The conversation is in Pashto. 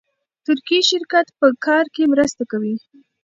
ترکي شرکت په کار کې مرسته کوي.